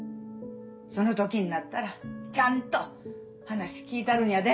その時になったらちゃんと話聞いたるんやで。